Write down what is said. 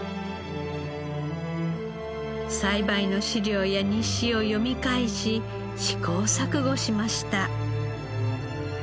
栽培の資料や日誌を読み返し試行錯誤しました。